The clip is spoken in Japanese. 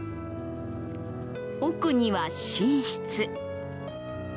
奥には寝室。